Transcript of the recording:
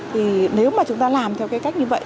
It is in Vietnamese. thì nếu chúng ta làm theo cách như vậy